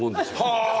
はあ！